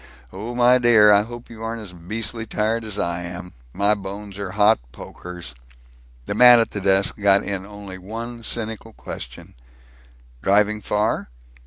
Oh, my dear, I hope you aren't as beastly tired as I am. My bones are hot pokers." The man at the desk got in only one cynical question, "Driving far?"